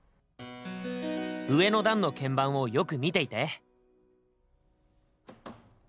上の段の鍵盤をよく見ていて。